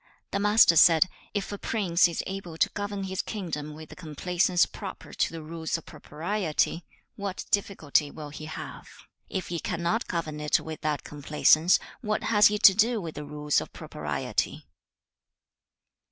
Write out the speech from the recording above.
The Master said, 'Is a prince is able to govern his kingdom with the complaisance proper to the rules of propriety, what difficulty will he have? If he cannot govern it with that complaisance, what has he to do with the rules of propriety?'